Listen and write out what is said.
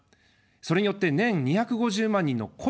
それによって年２５０万人の雇用を生む。